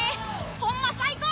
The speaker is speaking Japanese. ホンマ最高！